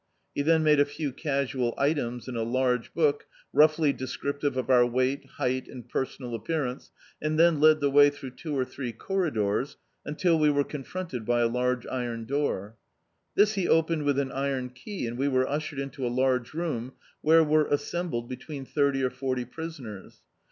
He then made a few casual items In a large book, roughly descriptive of our weight, hei^t, and personal appearance, and then led the way through two or three corridors, imtil we were confronted by a large Iron door. This he opened with an iron key, and we were ushered into a laige room, where were assembled between thirty or forty prisoners.